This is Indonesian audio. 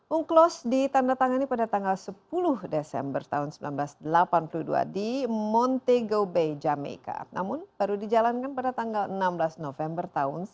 unclos ditandatangani pada tanggal sepuluh desember tahun seribu sembilan ratus delapan puluh dua di montego bay jamika namun baru dijalankan pada tanggal enam belas november seribu sembilan ratus sembilan puluh